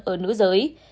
ở nữ giới